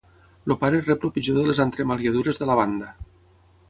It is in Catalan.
El pare rep el pitjor de les entremaliadures de la banda.